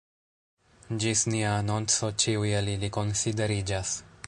Ĝis nia anonco ĉiuj el ili konsideriĝas.